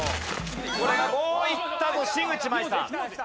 これがおおっいったぞ新内眞衣さん。